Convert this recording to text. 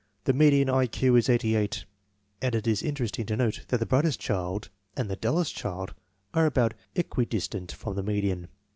The median I Q is 88, and it is interesting to note that the brightest child and the dullest child are about equidistant from the median.